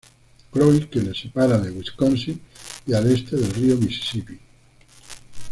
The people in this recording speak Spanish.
Croix —que la separa de Wisconsin— y al este del río Misisipi.